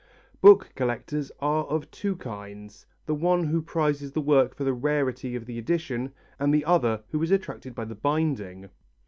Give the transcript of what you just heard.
Book collectors are of two kinds, the one who prizes the work for the rarity of the edition, and the other who is attracted by the binding.